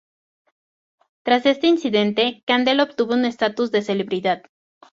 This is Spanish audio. Tras este incidente, Kandel obtuvo un status de celebridad.